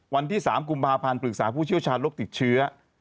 วันที่๓กุมภาพันธ์ปรึกษาผู้เชี่ยวชาญโรคติดเชื้อ